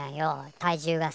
体重がさ。